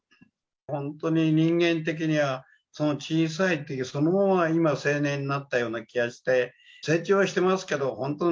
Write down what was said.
本当に人間的には、その小さいときそのまま、今、成年になったような気がして、成長はしてますけど、本当、